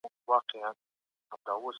ککړه هوا ناروغۍ پیدا کوي.